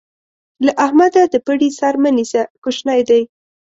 له احمده د پړي سر مه نيسه؛ کوشنی دی.